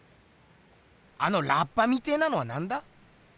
あのラッパみてえなのはなんだ？